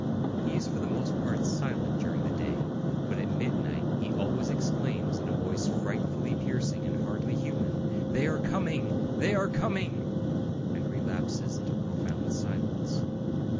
He is for the most part silent during the day, but at midnight he always exclaims, in a voice frightfully piercing, and hardly human, 'They are coming! they are coming!' and relapses into profound silence.